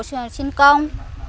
xong rồi xin công